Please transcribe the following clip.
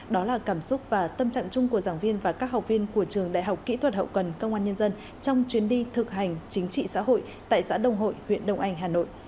đó là cảm xúc và tâm trạng chung của giảng viên và các học viên của trường đại học kỹ thuật hậu cần công an nhân dân trong chuyến đi thực hành chính trị xã hội tại xã đồng hội huyện đông anh hà nội